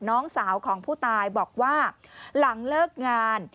น้องสาวของผู้ตายบอกว่าหลังเลิกงาน